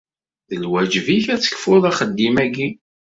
D lwaǧeb-ik ad tekfuḍ axeddim-agi.